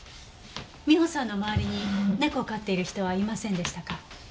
美帆さんのまわりに猫を飼ってる人はいませんでしたか？